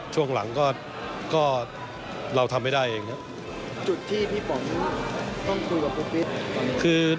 ช่วงหลังก็ก็เราทำไม่ได้เองนะครับจุดที่พี่ป๋องต้องคุยกับครูปี้คือ